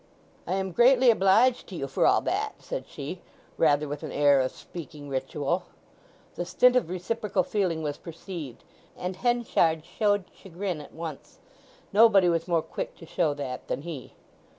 "I am greatly obliged to you for all that," said she, rather with an air of speaking ritual. The stint of reciprocal feeling was perceived, and Henchard showed chagrin at once—nobody was more quick to show that than he.